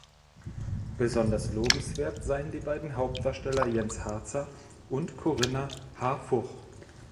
Besonders lobenswert seien die beiden Hauptdarsteller Jens Harzer und Corinna Harfouch.